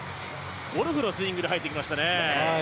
ゴルフのスイングで入ってきましたね。